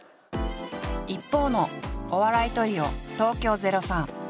一方のお笑いトリオ東京０３。